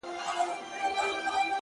الله ته لاس پورته كړو!!